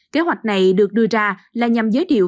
kế hoạch này được đưa ra là nhằm giới thiệu